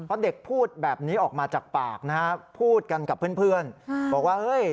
เพราะเด็กพูดแบบนี้ออกมาจากปากนะฮะพูดกันกับเพื่อนบอกว่าเฮ้ย